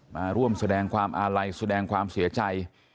มาร่วมแสดงความอาลัยแสดงความเสียใจ